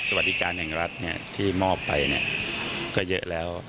จำนวนบัตรสวัสดิการแห่งรัฐที่มอบไปก็เยอะแล้ว